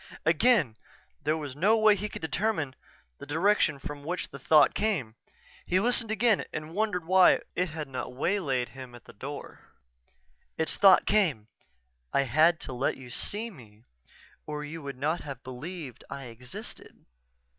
_" Again there was no way he could determine the direction from which the thought came. He listened again, and wondered why it had not waylaid him at the door. Its thought came: "_I had to let you see me or you would not have believed I existed.